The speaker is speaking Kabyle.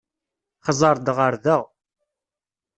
Xẓer-d ɣer da.